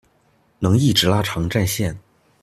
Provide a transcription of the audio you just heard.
能一直拉長戰線